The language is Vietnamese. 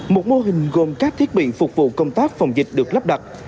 một mô hình gồm các thiết bị phục vụ công tác phòng dịch được lắp đặt